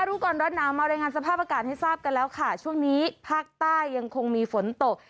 รู้ก่อนร้อนหนาวมารายงานสภาพอากาศให้ทราบกันแล้วค่ะช่วงนี้ภาคใต้ยังคงมีฝนตก